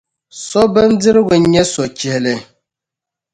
So bindirigu n-nyɛ so chihili.